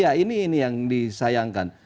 iya ini yang disayangkan